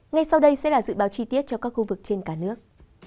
ngay sau đây sẽ là dự báo chi tiết cho các khu vực trên cả nước